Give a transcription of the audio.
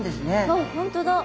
あ本当だ。